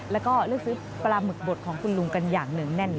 แล้วก็เลือกซื้อปลาหมึกบดของคุณลุงกันอย่างเนื่องแน่นเลย